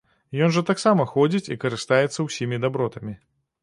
Ён жа таксама ходзіць і карыстаецца ўсімі дабротамі.